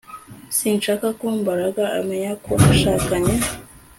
Sinshaka ko Mbaraga amenya ko nashakanye